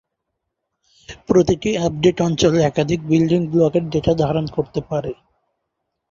প্রতিটি আপডেট অঞ্চল একাধিক বিল্ডিং ব্লকের ডেটা ধারণ করতে পারে।